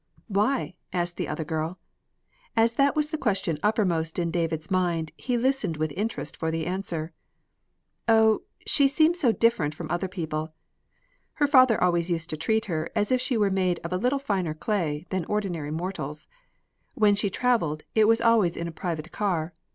"Why?" asked the other girl. As that was the question uppermost in David's mind, he listened with interest for the answer. "O, she seems so different from other people. Her father always used to treat her as if she were made of a little finer clay than ordinary mortals. When she traveled, it was always in a private car.